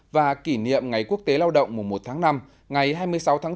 và kỷ niệm ngày quốc tế lao động mùa một tháng năm ngày hai mươi sáu tháng bốn